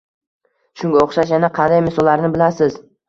Shunga oʻxshash yana qanday misollarni bilasiz